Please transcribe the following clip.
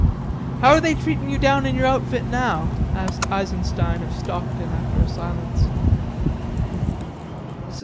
"How are they treatin' you down in your outfit now?" asked Eisenstein of Stockton, after a silence.